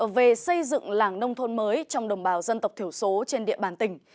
về xây dựng làng nông thôn mới trong đồng bào dân tộc thiểu số trên địa bàn tỉnh